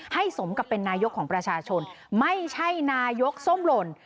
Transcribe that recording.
สมกับเป็นนายกของประชาชนไม่ใช่นายกส้มหล่น